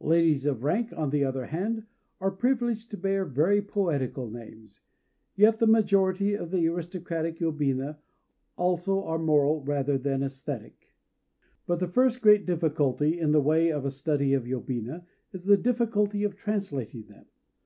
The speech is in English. Ladies of rank, on the other hand, are privileged to bear very poetical names; yet the majority of the aristocratic yobina also are moral rather than æsthetic. But the first great difficulty in the way of a study of yobina is the difficulty of translating them.